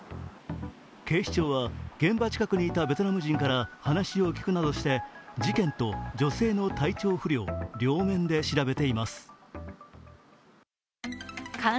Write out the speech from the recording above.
警視庁は現場近くにいたベトナム人から話を聞くなどして事件と女性の体調不良、両面で調べています。